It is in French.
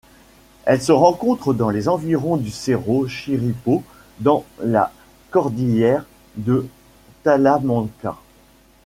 Elle se rencontre dans les environs du cerro Chirripó dans la cordillère de Talamanca.